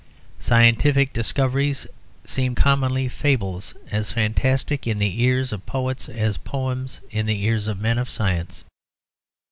Scientific discoveries seem commonly fables as fantastic in the ears of poets as poems in the ears of men of science.